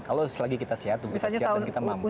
kalau selagi kita sehat kita sehat dan kita mampu